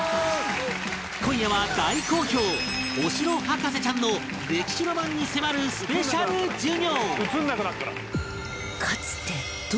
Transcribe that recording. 今夜は大好評お城博士ちゃんの歴史ロマンに迫るスペシャル授業